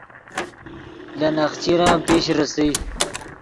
لے نخچرن پیش ریسئے